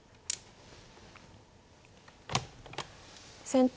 先手